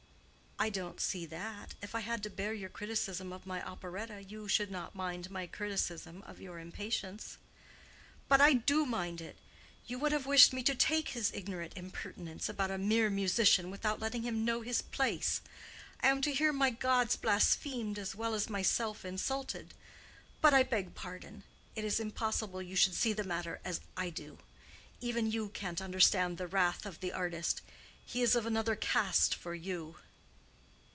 "I don't see that. If I have to bear your criticism of my operetta, you should not mind my criticism of your impatience." "But I do mind it. You would have wished me to take his ignorant impertinence about a 'mere musician' without letting him know his place. I am to hear my gods blasphemed as well as myself insulted. But I beg pardon. It is impossible you should see the matter as I do. Even you can't understand the wrath of the artist: he is of another caste for you."